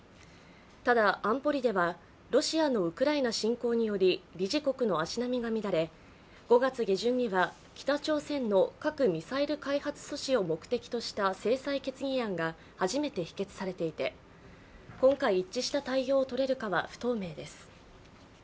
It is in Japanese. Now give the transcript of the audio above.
ただ、安保理ではロシアのウクライナ侵攻により理事国の足並みが乱れ５月下旬には北朝鮮の核・ミサイル開発阻止を目的とした制裁決議案が初めて否決されていて、今回一致した対応をとれるかは不透明です。